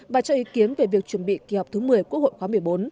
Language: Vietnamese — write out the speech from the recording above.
và cho ý kiến về việc chuẩn bị kỳ họp thứ một mươi quốc hội khóa một mươi bốn